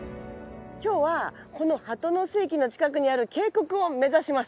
今日はこの鳩ノ巣駅の近くにある渓谷を目指します。